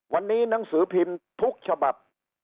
วันนี้หนังสือพิมพ์ทุกฉบับ